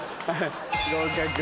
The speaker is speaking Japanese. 合格。